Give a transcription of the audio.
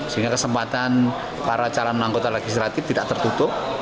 sehingga kesempatan para calon anggota legislatif tidak tertutup